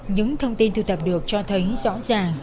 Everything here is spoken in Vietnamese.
những thông tin thư tập được cho thấy rõ ràng